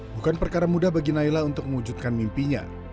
bukan perkara mudah bagi naila untuk mewujudkan mimpinya